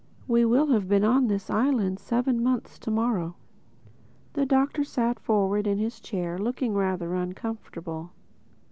We will have been on this island seven months to morrow." The Doctor sat forward in his chair looking rather uncomfortable.